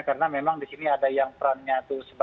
karena memang di sini ada yang perannya